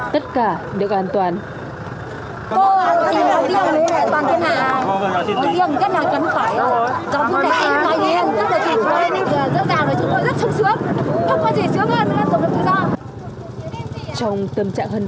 tất cả đều an toàn gần nửa tháng qua tại đây không ghi nhận thêm ca nhiễm covid một mươi chín nào tất cả đều an toàn gần nửa tháng qua tại đây không ghi nhận thêm ca nhiễm covid một mươi chín nào